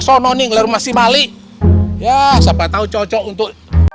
sono nih lu masih balik ya sapa tahu cocok untuk